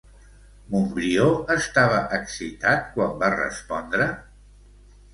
Montbrió estava excitat quan va respondre?